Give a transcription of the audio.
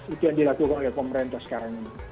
itu yang dilakukan oleh pemerintah sekarang ini